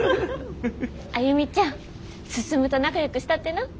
歩ちゃん進と仲良くしたってな。